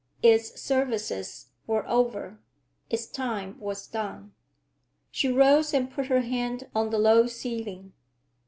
Its services were over; its time was done. She rose and put her hand on the low ceiling.